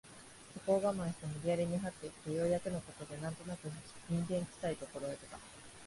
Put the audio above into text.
そこを我慢して無理やりに這って行くとようやくの事で何となく人間臭い所へ出た